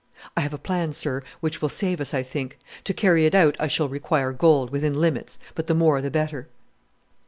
"I have a plan, sir, which will save us, I think. To carry it out I shall require gold, within limits, but the more the better."